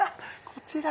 こちら。